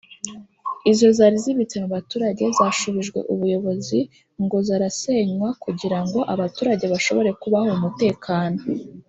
Izo zari zibitse mu baturage zashubijwe ubuyobozi ngo zarasenywa kugira ngo abaturage bashobore kubaho mu mutekano